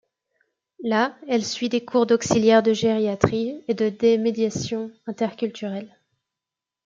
Là, elle suit des cours d'auxiliaire de gériatrie et demédiation interculturelle.